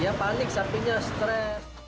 dia panik sapinya stres